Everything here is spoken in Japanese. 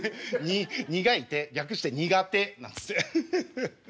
苦い手略して苦手なんつって。